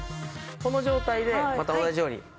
この状態でまた同じように。